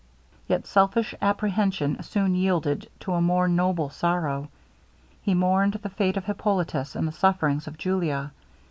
Yet selfish apprehension soon yielded to a more noble sorrow. He mourned the fate of Hippolitus, and the sufferings of Julia.